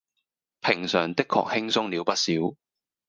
平常的確輕鬆了不少